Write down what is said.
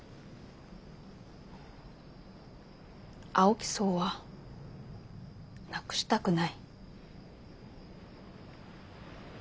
青木荘はなくしたくない。